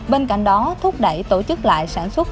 bên cạnh đó thúc đẩy tổ chức lại sản xuất